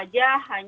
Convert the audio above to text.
ya mas ya hari senin